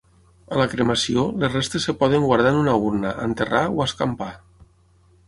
A la cremació, les restes es poden guardar en una urna, enterrar o escampar.